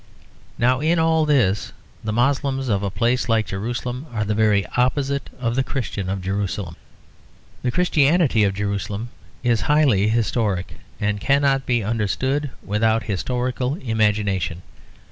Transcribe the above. Now in all this the Moslems of a place like Jerusalem are the very opposite of the Christians of Jerusalem. The Christianity of Jerusalem is highly historic, and cannot be understood without historical imagination.